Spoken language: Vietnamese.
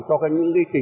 cho các những cái tính